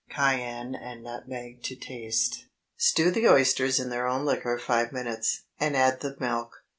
Cayenne and nutmeg to taste. Stew the oysters in their own liquor five minutes, and add the milk.